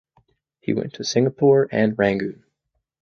He went to Singapore and Rangoon.